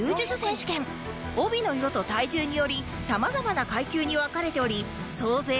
帯の色と体重により様々な階級に分かれており総勢